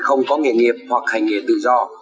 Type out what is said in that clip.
không có nghề nghiệp hoặc hành nghề tự do